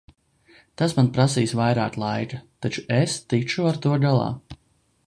Tas man prasīs vairāk laika, taču es tikšu ar to galā.